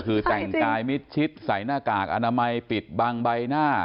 คือแต่งกายมิดชิดใส่หน้ากากอนามัยปิดบังใบหน้า